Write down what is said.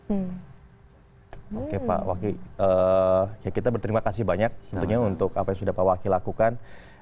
oke pak wakil ya kita berterima kasih banyak tentunya untuk apa yang sudah pak wakil lakukan